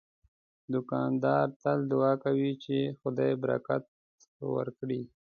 دوکاندار تل دعا کوي چې خدای برکت ورکړي.